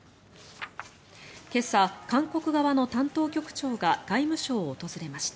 今朝、韓国側の担当局長が外務省を訪れました。